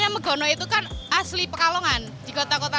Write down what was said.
yang melintas di jalur pantura